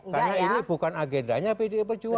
karena ini bukan agendanya pdi perjuangan